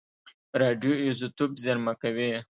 راډیو ایزوتوپ زېرمه کوي.